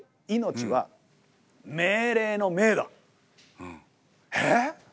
命は命令の「命」だ。え？